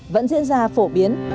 vẫn diễn ra phổ biến